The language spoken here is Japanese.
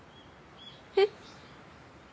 えっ？